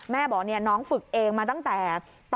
แม่บอกน้องฝึกเองมาตั้งแต่